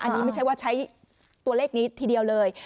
อันนี้ไม่ใช่ว่าใช้ตัวเลขนี้ทีเดียวเลย